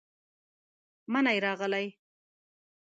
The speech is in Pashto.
منی راغلې،